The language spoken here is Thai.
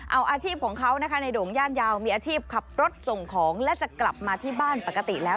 เอาอาชีพของเขานะคะในโด่งย่านยาวมีอาชีพขับรถส่งของและจะกลับมาที่บ้านปกติแล้ว